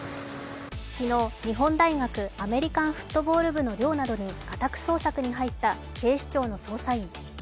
昨日日本大学アメリカンフットボール部の寮などに家宅捜索に入った警視庁の捜査員。